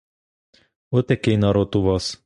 От який народ у вас.